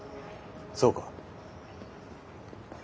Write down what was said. そうか。